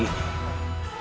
kenapa dia tidak menang